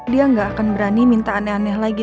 dia nggak akan berani minta aneh aneh lagi